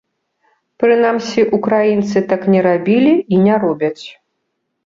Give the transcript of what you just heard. Прынамсі, украінцы так не рабілі і не робяць.